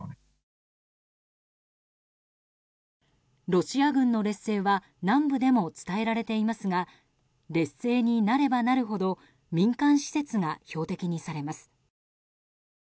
ロシア軍の劣勢は南部でも伝えられていますが劣勢になればなるほど民間施設が標的にされます。